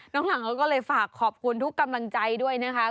หลังเขาก็เลยฝากขอบคุณทุกกำลังใจด้วยนะคะ